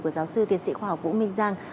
của giáo sư tiến sĩ khoa học vũ minh giang